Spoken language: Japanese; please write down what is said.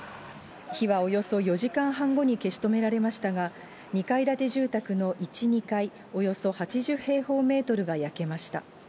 火はおよそ４時間半後に消し止められましたが、２階建住宅の１、２階、およそ８０平方メートルが焼けました。